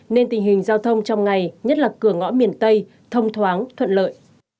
nên tình hình giao thông trong ngày nhất là cửa ngõ miền tây thông thoáng thuận lợi